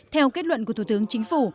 theo kết luận của thủ tướng chính phủ